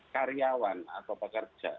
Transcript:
karyawan atau pekerja